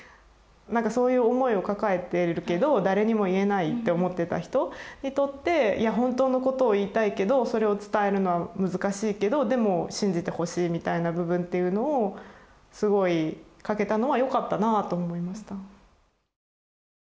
そういう思いを抱えているけど誰にも言えないって思ってた人にとっていや本当のことを言いたいけどそれを伝えるのは難しいけどでも信じてほしいみたいな部分っていうのをすごい書けたのはよかったなぁと思いました。